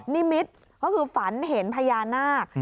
นิมิตรก็คือฝันเห็นพญานาค